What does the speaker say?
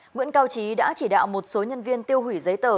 nguyễn cao trí đã chỉ đạo một số nhân viên tiêu hủy giấy tờ